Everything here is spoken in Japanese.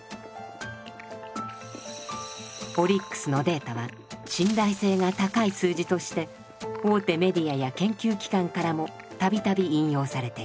オリックスのデータは信頼性が高い数字として大手メディアや研究機関からも度々引用されている。